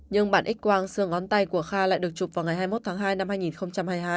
nhưng bản x quang xương ngón tay của kha lại được chụp vào ngày hai mươi một tháng hai năm hai nghìn hai mươi hai